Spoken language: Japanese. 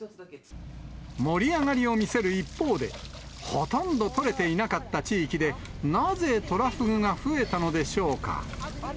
盛り上がりを見せる一方で、ほとんど取れていなかった地域で、なぜ、トラフグが増えたのでしょうか。